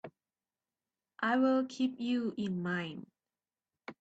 I'll keep you in mind.